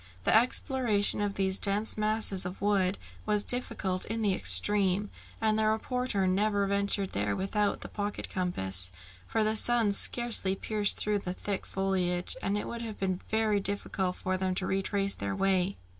The exploration of these dense masses of wood was difficult in the extreme, and the reporter never ventured there without the pocket compass, for the sun scarcely pierced through the thick foliage, and it would have been very difficult for them to retrace their way.